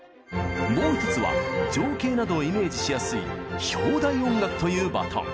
もう１つは情景などをイメージしやすい「標題音楽」というバトン。